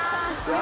あ！